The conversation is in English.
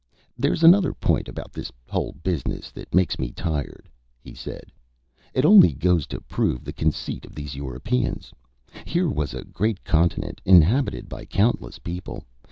"There's another point about this whole business that makes me tired," he said. "It only goes to prove the conceit of these Europeans. Here was a great continent inhabited by countless people.